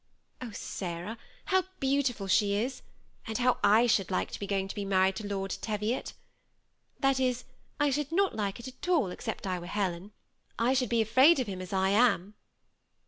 Oh, Sarah, how beautiful she is, and how I should like to be going to be married to Lord Teviot I that is, I should not like it at all except I were Helen. I should be afraid of him as I am."